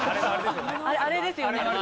あれですよね。